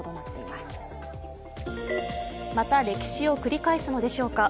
また歴史を繰り返すのでしょうか。